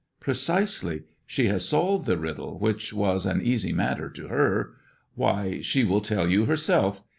"Precisely. She has solved the riddle, which was an easy matter to her. Why, she will tell you herself.